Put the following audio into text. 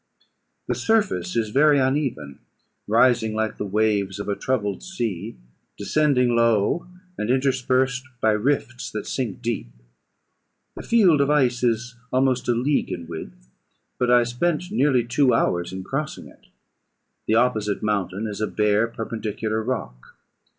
The surface is very uneven, rising like the waves of a troubled sea, descending low, and interspersed by rifts that sink deep. The field of ice is almost a league in width, but I spent nearly two hours in crossing it. The opposite mountain is a bare perpendicular rock.